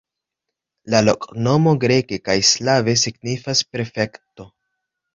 La loknomo greke kaj slave signifas "prefekto".